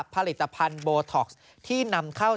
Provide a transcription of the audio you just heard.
ผลิตภัณฑ์โบท็อกซ์ที่นำเข้า